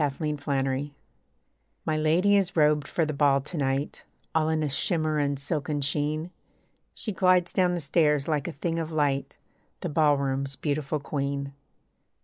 THE CAPTIVE My lady is robed for the ball to night, All in a shimmer and silken sheen. She glides down the stairs like a thing of light, The ballroom's beautiful queen.